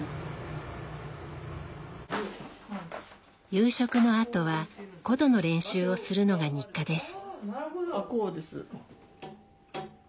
夕食のあとは箏の練習をするのが日課です。